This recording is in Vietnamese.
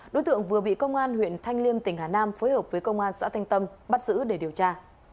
đối tượng vừa bị công an huyện thanh liêm tỉnh hà nam phối hợp với công an xã thanh tâm bắt giữ để điều tra